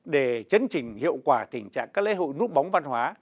để chấn trình hiệu quả tình trạng các lễ hội núp bóng văn hóa